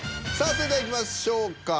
それではいきましょうか。